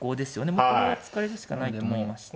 これは突かれるしかないと思いました。